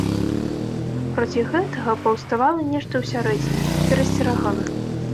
Проці гэтага паўставала нешта ўсярэдзіне, перасцерагала.